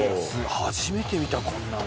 初めて見たこんなの。